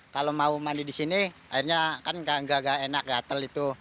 kalau mau mandi di sini akhirnya kan nggak enak gatel itu